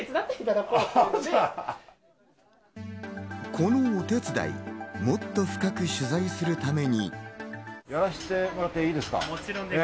このお手伝い、もっと深く取材するために。